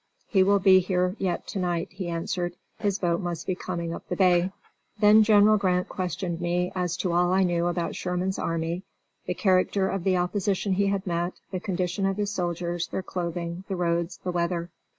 "He will be here yet to night," he answered. "His boat must now be coming up the bay." Then General Grant questioned me as to all I knew about Sherman's army, the character of the opposition he had met, the condition of his soldiers, their clothing, the roads, the weather.